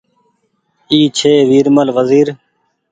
اي ڇي ورمل وزير